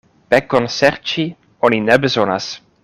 Pekon serĉi oni ne bezonas.